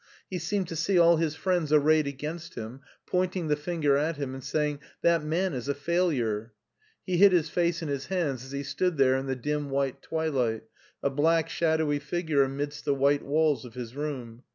He seemed to see all his friends arrayed against him, pointing the finger at him and saying " That man is a failure." He hid his face in his hands as he stood there in the dim white twilight, a black shadowy figure amidst the white walls of his room.